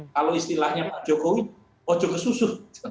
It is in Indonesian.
kalau istilahnya pak jokowi pojok ke susu